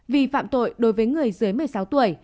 vi phạm tội đối với người dưới một mươi sáu tuổi